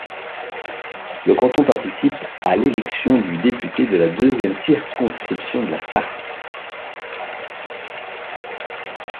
Le canton participe à l'élection du député de la deuxième circonscription de la Sarthe.